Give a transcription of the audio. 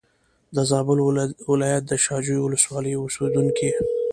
د زابل ولایت د شا جوی ولسوالۍ اوسېدونکی.